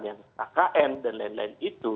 yang kkn dan lain lain itu